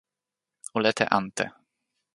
o lete ante.